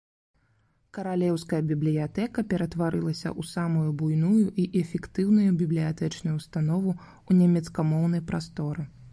Каралеўская бібліятэка ператварылася ў самую буйную і эфектыўную бібліятэчную ўстанову ў нямецкамоўнай прасторы.